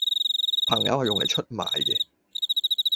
朋友係用黎出賣既